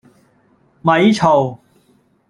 咪嘈